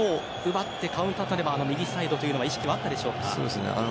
奪ってカウンターをとれば右サイドという意識はあったでしょうか。